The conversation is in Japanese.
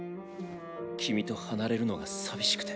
君と離れるのが寂しくて。